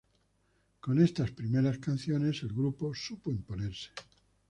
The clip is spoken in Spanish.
Con estas primeras canciones el grupo supo imponerse.